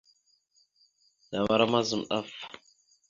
Namara mazam ɗaf.